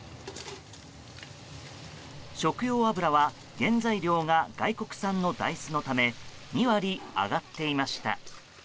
食用油は原材料が外国産の大豆のため２割上がっていました。